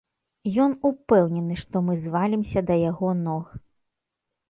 Ён упэўнены, што мы звалімся да яго ног.